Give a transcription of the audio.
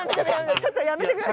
ちょっとやめてください。